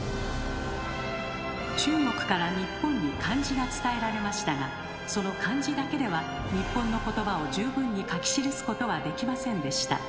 中国から日本に漢字が伝えられましたがその漢字だけでは日本の言葉を十分に書き記すことはできませんでした。